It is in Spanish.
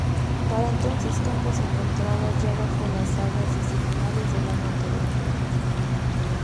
Para entonces, Campo se encontraba ya bajo las aguas desde finales del año anterior.